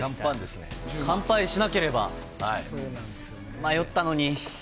迷ったのに。